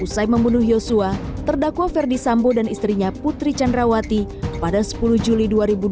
usai membunuh yosua terdakwa ferdi sambo dan istrinya putri candrawati pada sepuluh juli dua ribu dua puluh